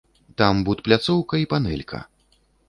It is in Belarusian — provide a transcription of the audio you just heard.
Там будпляцоўка і панэлька.